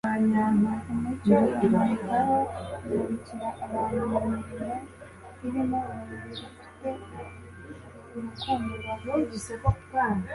Umucyo ubamurikaho umurikira abandi mu mirimo irimo urumuri rufite urukundo rwa Kristo.